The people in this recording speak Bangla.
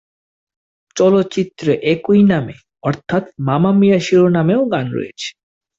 চলচ্চিত্রে একই নামে অর্থাৎ মামা মিয়া শিরোনামে গানও রয়েছে।